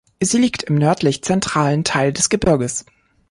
Sie liegt im nördlich-zentralen Teil des Gebirges.